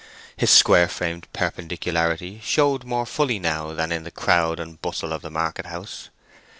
His square framed perpendicularity showed more fully now than in the crowd and bustle of the market house.